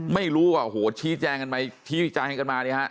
ไม่รู้ว่าโหชี้แจงกันมั้ยชี้จ้างให้กันมาเนี่ยฮะ